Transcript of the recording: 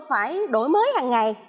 phải đổi mới hằng ngày